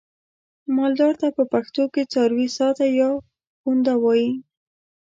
مالدار ته په پښتو کې څارويساتی یا پوونده وایي.